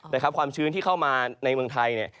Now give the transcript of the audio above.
แต่ความชื้นที่เข้ามาในเมืองไทย